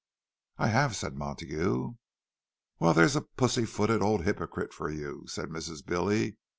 "I have," said Montague. "Well, there's a pussy footed old hypocrite for you," said Mrs. Billy.